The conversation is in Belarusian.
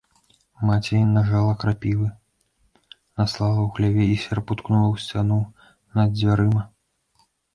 Маці нажала крапівы, наслала ў хляве і серп уткнула ў сцяну над дзвярыма.